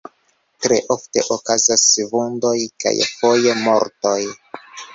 Tre ofte okazas vundoj kaj foje mortoj.